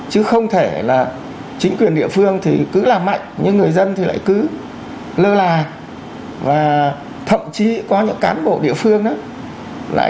chứ không thể là chính quyền địa phương thì cứ làm mạnh nhưng người dân thì lại cứ lơ là và thậm chí có những cán bộ địa phương đó